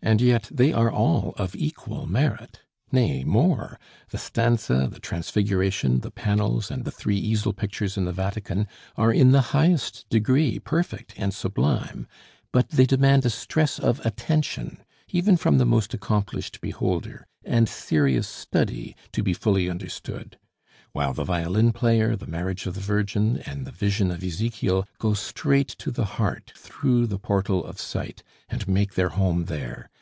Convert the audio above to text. And yet they are all of equal merit. Nay, more. The Stanze, the Transfiguration, the panels, and the three easel pictures in the Vatican are in the highest degree perfect and sublime. But they demand a stress of attention, even from the most accomplished beholder, and serious study, to be fully understood; while the Violin player, the Marriage of the Virgin, and the Vision of Ezekiel go straight to the heart through the portal of sight, and make their home there.